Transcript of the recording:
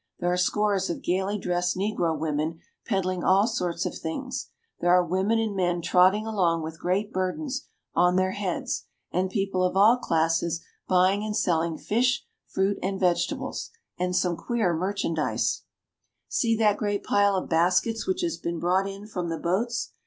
There are scores of gayly dressed negro women peddling all sorts of things. There are women and men trotting along with great burdens on their heads, and people of all classes buying and selling fish, fruit, and vegetables, and some queer merchandise. Banana Market. See that great pile of baskets which has just been brought in from the boats.